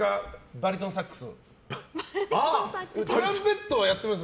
バリトンサックス。